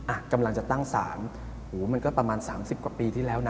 อ่ะกำลังจะตั้งศาลโหมันก็ประมาณสามสิบกว่าปีที่แล้วนะ